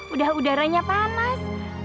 udah udaranya panas